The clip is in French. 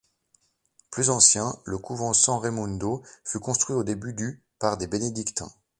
Plus ancien, le Couvent San Raimundo fut construit au début du par des bénédictins.